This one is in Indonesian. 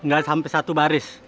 gak sampe satu baris